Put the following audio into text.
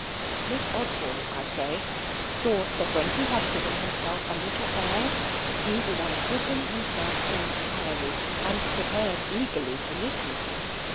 Miss Osborne, I say, thought that when he had given himself a little air, he would unbosom himself entirely, and prepared eagerly to listen.